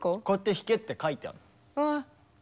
こうやって弾けって書いてある。